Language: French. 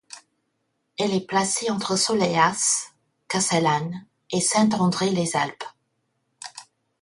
Elle est placée entre Soleilhas, Castellane, et Saint-André-les-Alpes.